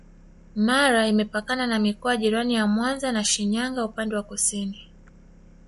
Mara imepakana na mikoa jirani ya Mwanza na Shinyanga upande wa kusini